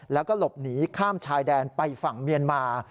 แล้วก็หลบหนีข้ามชายแดนไปฝั่งเมียนมา